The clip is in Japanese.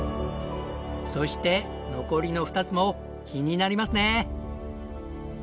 そして残りの２つも気になりますね！